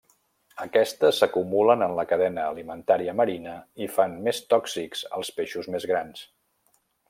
Aquestes s'acumulen en la cadena alimentària marina i fan més tòxics als peixos més grans.